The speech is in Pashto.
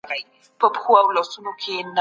تخنیک د تولید د لوړوالي لپاره مهم دی.